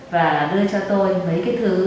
và đưa cho tôi mấy cái thứ